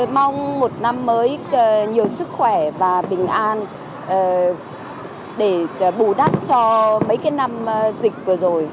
mong một năm mới nhiều sức khỏe và bình an để bù đắp cho mấy cái năm dịch vừa rồi